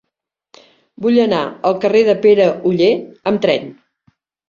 Vull anar al carrer de Pere Oller amb tren.